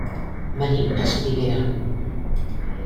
Venim de Soriguera.